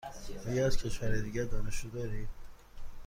آیا از کشورهای دیگر دانشجو دارید؟